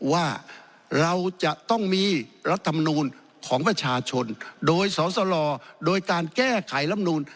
ว่าเราจะต้องมีรัฐมนูลของประชาชนโดยสอสลโดยการแก้ไขลำนูน